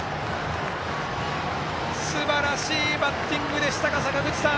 すばらしいバッティングでしたが坂口さん。